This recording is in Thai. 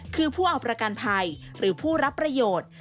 คือผู้เอาประกันภัยหรือผู้รับประโยชน์